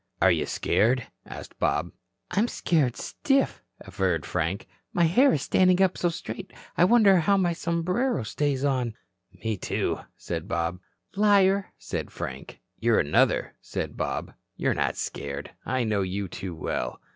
"Are you scared?" asked Bob. "I'm scared stiff," averred Frank. "My hair is standing up so straight I wonder how my sombrero stays on." "Me, too," said Bob. "Liar," said Frank. "You're another," said Bob. "You're not scared. I know you too well."